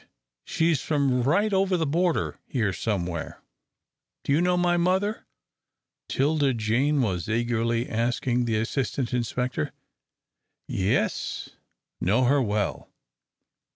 She's from right over the border here somewhere." "Do you know my mother?" 'Tilda Jane was eagerly asking the assistant inspector. "Yes know her well.